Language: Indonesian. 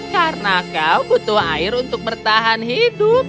karena kau butuh air untuk bertahan hidup